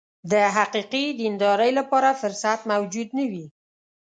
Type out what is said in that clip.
د حقیقي دیندارۍ لپاره فرصت موجود نه وي.